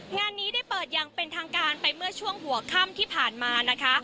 งานนี้ได้เปิดอย่างเป็นทางการไปเมื่อช่วงหัวค่ำที่ผ่านมานะคะ